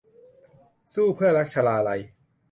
สู้เพื่อรัก - ชลาลัย